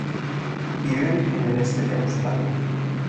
Viven en el este de Australia.